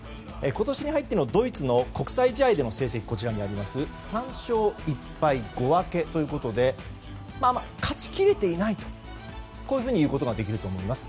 今年に入ってのドイツの国際試合での成績は３勝１敗５分けということで勝ち切れていないということができると思います。